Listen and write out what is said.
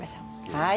はい。